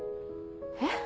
えっ？